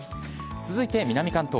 続いて南関東。